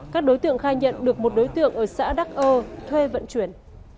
các đối tượng khai nhận được một đối tượng ở xã đắc ơ thuê vận chuyển